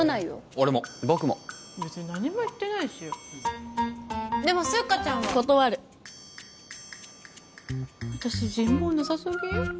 俺も僕も別に何も言ってないしでもスッカちゃんは断る私人望なさすぎん？